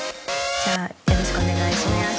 よろしくお願いします。